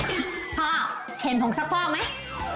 พ่อเห็นผงซักฟอกไหม